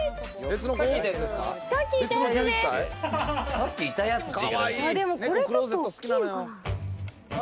さっきいたやつです。